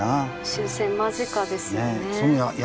終戦間近ですよね。